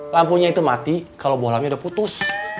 lampunya itu mati kalau bolanya udah putus